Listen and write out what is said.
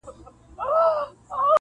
وګړي ډېر سول د نیکه دعا قبوله سوله -